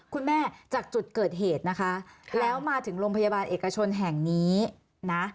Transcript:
จากจุดเกิดเหตุนะคะแล้วมาถึงโรงพยาบาลเอกชนแห่งนี้นะ